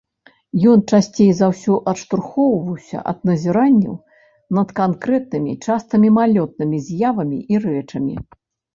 Ён часцей за ўсё адштурхоўваўся ад назіранняў над канкрэтнымі, часта мімалётнымі, з'явамі і рэчамі.